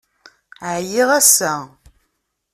Ɛyiɣ ass-a.